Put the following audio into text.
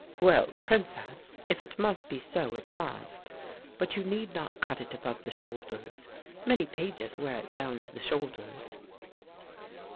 "Well, princess, if it must be so, it must; but you need not cut it above the shoulders. Many pages wear it down to the shoulders."